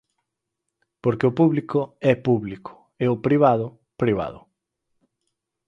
Porque o público é público e o privado, privado.